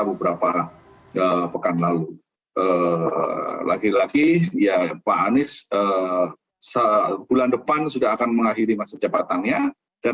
beberapa pekan lalu lagi lagi ya pak anies sebulan depan sudah akan mengakhiri masa jabatannya dan